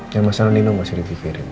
yang masalah nino masih dipikirin